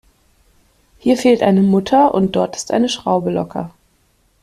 Hier fehlt eine Mutter und dort ist eine Schraube locker.